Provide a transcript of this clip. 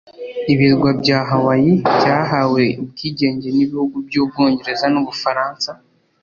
Ibirwa bya Hawaii byahawe ubwigenge n’ibihugu by’ubwongereza n’ubufaraansa